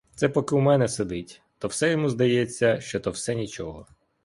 Ще поки у мене сидить, то так йому здається, що то все нічого.